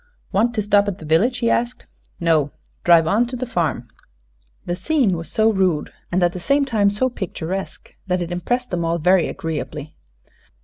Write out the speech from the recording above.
"Want to stop at the village?" he asked. "No; drive on to the farm." The scene was so rude and at the same time so picturesque that it impressed them all very agreeably.